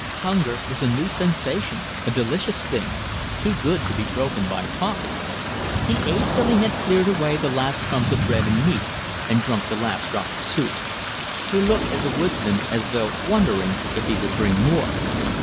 Hunger was a new sensation, a delicious thing, too good to be broken by talking. He ate till he had cleared away the last crumbs of bread and meat and drunk the last drop of soup. He looked at the woodsman as though wondering if he would bring more.